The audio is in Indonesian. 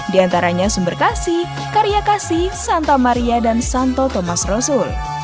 diantaranya sumber kasih karya kasih santo maria dan santo thomas rosul